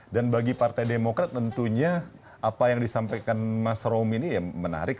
dan bagi partai demokrat tentunya apa yang disampaikan mas romi ini ya menarik